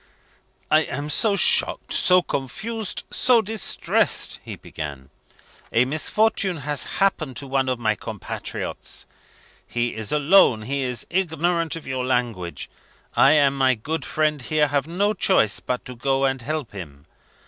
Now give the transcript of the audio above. "I am so shocked, so confused, so distressed," he began. "A misfortune has happened to one of my compatriots. He is alone, he is ignorant of your language I and my good friend, here, have no choice but to go and help him.